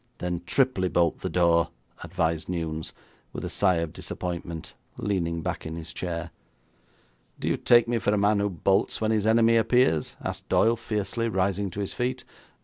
'Then triply bolt the door,' advised Newnes, with a sigh of disappointment, leaning back in his chair. 'Do you take me for a man who bolts when his enemy appears?' asked Doyle fiercely, rising to his feet.